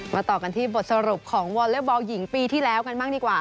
ต่อกันที่บทสรุปของวอเล็กบอลหญิงปีที่แล้วกันบ้างดีกว่า